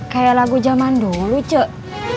kayak lagu zaman dulu lucu